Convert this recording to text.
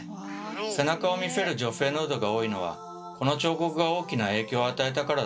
背中を見せる女性ヌードが多いのはこの彫刻が大きな影響を与えたからだといわれています。